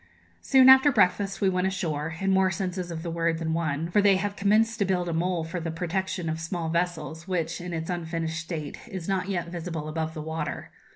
Soon after breakfast we went ashore in more senses of the word than one; for they have commenced to build a mole for the protection of small vessels, which, in its unfinished state, is not yet visible above the water.